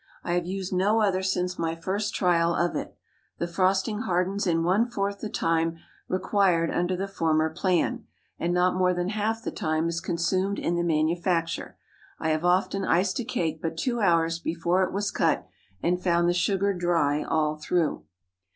I have used no other since my first trial of it. The frosting hardens in one fourth the time required under the former plan, and not more than half the time is consumed in the manufacture. I have often iced a cake but two hours before it was cut, and found the sugar dry all through.